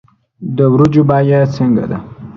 د ورجو بیه څنګه ده